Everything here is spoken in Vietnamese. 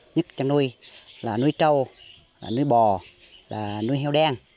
nhất chăn nuôi là nuôi trâu nuôi bò nuôi heo đen